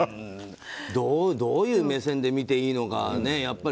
どういう目線で見ていいのか。